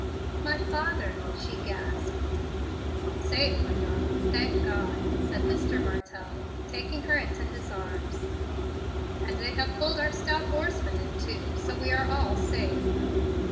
"My father," she gasped. "Safe, my darling, thank God," said Mr. Martell, taking her into his arms; "and they have pulled our stout oarsman in, too. So we are all safe."